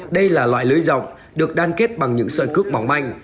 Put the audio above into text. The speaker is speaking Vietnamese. đây là loài lưới rộng được đan kết bằng những sợi cước mỏng manh